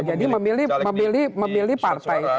jadi memilih partai